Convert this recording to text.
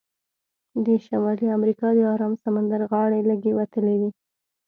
د شمالي امریکا د ارام سمندر غاړې لږې وتلې دي.